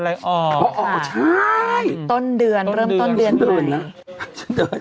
อะไรออกค่ะอ๋ออ๋อใช่ต้นเดือนเริ่มต้นเดือนต้นเดือนต้นเดือน